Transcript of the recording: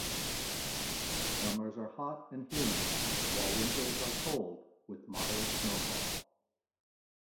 Summers are hot and humid, while winters are cold with moderate snowfall.